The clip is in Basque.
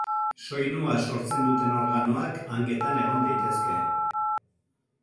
Soinua sortzen duten organoak hanketan egon daitezke.